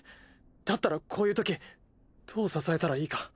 だったらこういうときどう支えたらいいか。